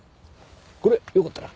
これよかったら。